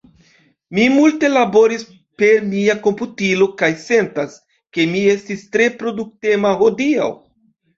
Mi multe laboris per mia komputilo, kaj sentas, ke mi estis tre produktema hodiaŭ.